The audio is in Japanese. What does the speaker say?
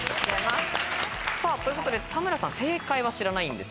ということで田村さん正解は知らないんですよね？